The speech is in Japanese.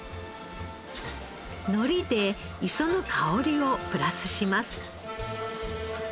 のりで磯の香りをプラスします。